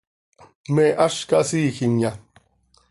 ¿Me áz casiijimya?